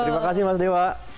terima kasih mas dewa